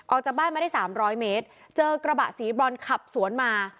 ออกจากบ้านมาได้สามร้อยเมตรเจอกระบะสีบรอนขับสวนมา